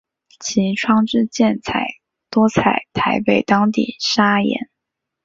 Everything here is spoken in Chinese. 其窗之建材多采台北当地砂岩。